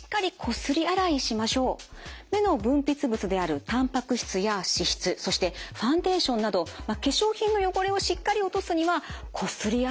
目の分泌物であるたんぱく質や脂質そしてファンデーションなど化粧品の汚れをしっかり落とすにはこすり洗いが必要なんですね。